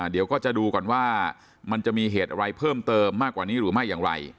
เดี๋ยวก็จะดูก่อนว่ามันจะมีเหตุอะไรเพิ่มเติมมากกว่านี้หรือไม่อย่างไร